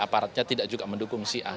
jadi aparatnya tidak juga mendukung si ah